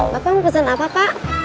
bapak mau pesan apa pak